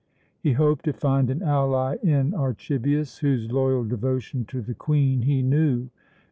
He hoped to find an ally in Archibius, whose loyal devotion to the Queen he knew.